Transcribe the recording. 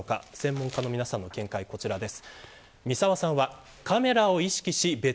専門家の皆さんの見解がこちらです。